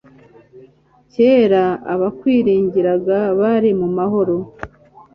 kera abakwiringiraga bari mu mahoro